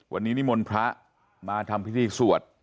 วันนี้นิมนต์พระมาทำพิธีสวด